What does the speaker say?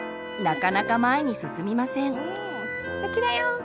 なかなか前に進みません。